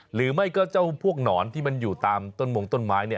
หรือไม่ก็เจ้าพวกหนอนที่มันอยู่ตามต้นมงต้นไม้